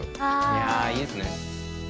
いやいいですね。